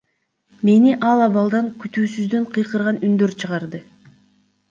Мени ал абалдан күтүүсүздөн кыйкырган үндөр чыгарды.